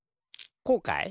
こうかい？